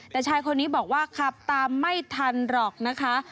แต่ชายคนนี้บอกว่าขับตามไม่ทันหรอกนะคะ